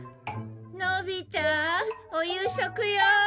のび太お夕食よ。